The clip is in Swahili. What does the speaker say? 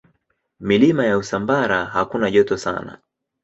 Milima ya Usambara hakuna joto sana.